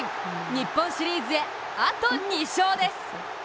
日本シリーズへあと２勝です。